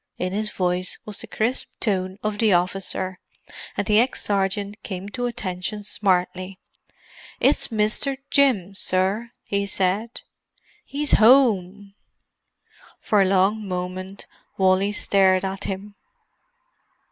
In his voice was the crisp tone of the officer; and the ex sergeant came to attention smartly. "It's Mr. Jim, sir," he said. "'E's 'ome." For a long moment Wally stared at him.